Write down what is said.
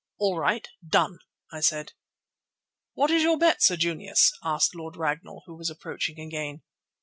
"All right, done!" I said. "What is your bet, Sir Junius?" asked Lord Ragnall, who was approaching again.